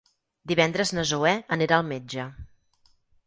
Divendres na Zoè anirà al metge.